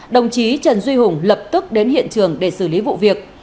đồng chí trần duy hùng lập tức đến hiện trường để xử lý vụ việc